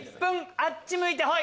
あっち向いてホイ。